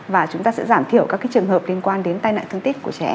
và chúng ta sẽ giảm thiểu các trường hợp liên quan đến tai nạn thương tích của trẻ